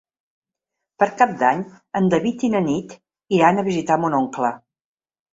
Per Cap d'Any en David i na Nit iran a visitar mon oncle.